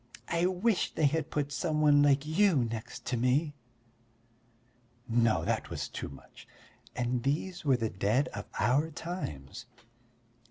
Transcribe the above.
"I wish they had put some one like you next to me." No, that was too much! And these were the dead of our times!